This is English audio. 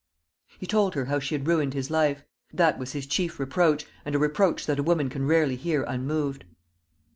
He told her how she had ruined his life. That was his chief reproach, and a reproach that a woman can rarely hear unmoved.